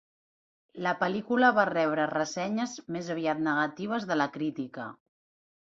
La pel·lícula va rebre ressenyes més aviat negatives de la crítica.